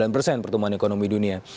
sembilan persen pertumbuhan ekonomi dunia